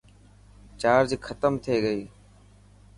چارج ختم ٿي گئي.